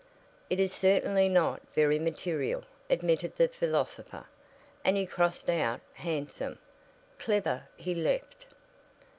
"It is certainly not very material," admitted the philosopher, and he crossed out "handsome"; "clever" he left.